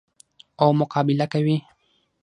او مقابله کوي.